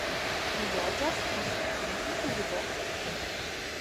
Li loĝas en ĉi tiu urbo.